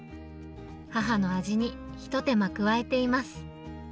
母の味に一手間加えています。